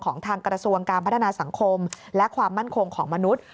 ทางกระทรวงการพัฒนาสังคมและความมั่นคงของมนุษย์